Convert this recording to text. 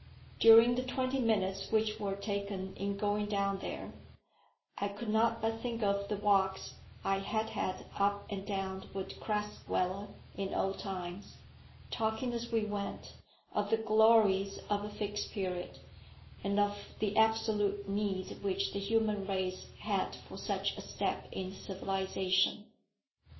During the twenty minutes which were taken in going down there, I could not but think of the walks I had had up and down with Crasweller in old times, talking as we went of the glories of a Fixed Period, and of the absolute need which the human race had for such a step in civilisation.